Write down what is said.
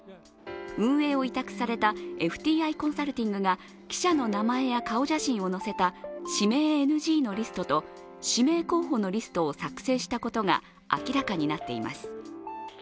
運営を委託されたＦＴＩコンサルティングが記者の名前や顔写真を載せた指名ＮＧのリストと指名候補のリストを作成したことが明らかになっています。